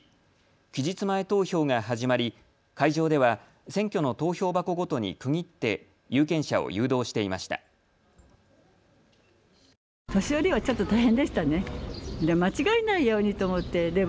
期日前投票が始まり会場では選挙の投票箱ごとに区切って有権者を誘導していました。